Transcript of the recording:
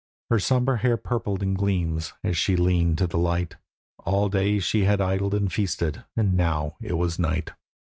Her sombre hair purpled in gleams, as she leaned to the light; All day she had idled and feasted, and now it was night.